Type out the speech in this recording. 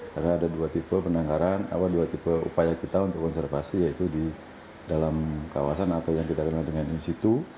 karena ada dua tipe penangkaran dua tipe upaya kita untuk konservasi yaitu di dalam kawasan atau yang kita dengar dengan institu